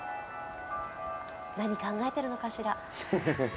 何考えてるのかしら。